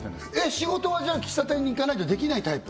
仕事はじゃあ喫茶店に行かなきゃできないタイプ？